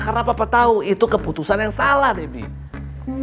karena papa tahu itu keputusan yang salah debbie